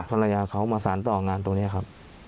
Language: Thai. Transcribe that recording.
ภรรยาเขามาสารต่องานตรงนี้ครับ